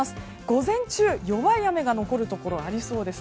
午前中、弱い雨が残るところがありそうです。